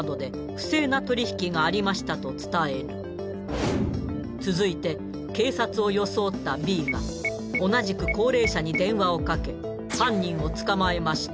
「不正な取引がありました」と伝える続いて警察を装ったＢが同じく高齢者に電話をかけ「犯人を捕まえました